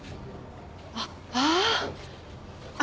あっああ！